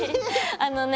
あのね